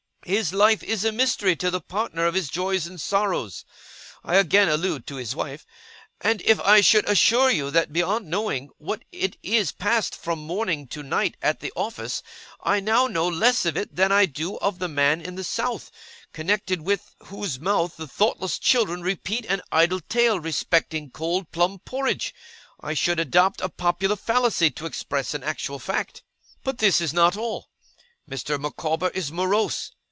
His life is a mystery to the partner of his joys and sorrows I again allude to his wife and if I should assure you that beyond knowing that it is passed from morning to night at the office, I now know less of it than I do of the man in the south, connected with whose mouth the thoughtless children repeat an idle tale respecting cold plum porridge, I should adopt a popular fallacy to express an actual fact. 'But this is not all. Mr. Micawber is morose.